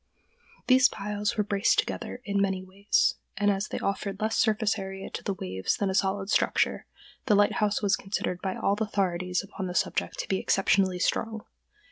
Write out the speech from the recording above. These piles were braced together in many ways, and, as they offered less surface to the waves than a solid structure, the lighthouse was considered by all authorities upon the subject to be exceptionally strong.